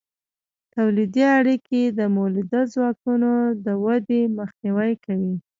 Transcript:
تولیدي اړیکې د مؤلده ځواکونو د ودې مخنیوی کوي.